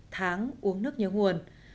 tháng uống nước nhớ nguồn